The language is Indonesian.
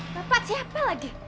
bapak siapa lagi